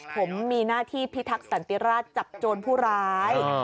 ผมมีหน้าที่พิทักษันติราชจับโจรผู้ร้าย